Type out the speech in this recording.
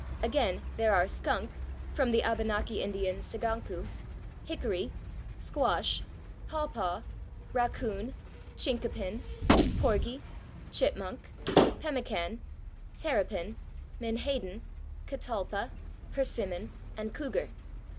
Again, there are /skunk/ (from the Abenaki Indian /seganku/), /hickory/, /squash/, /paw paw/, /raccoon/, /chinkapin/, /porgy/, /chipmunk/, /pemmican/, /terrapin/, /menhaden/, /catalpa/, /persimmon/ and /cougar